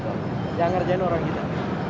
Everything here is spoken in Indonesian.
nggak kerjain orang kita